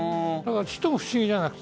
ちっとも不思議じゃない。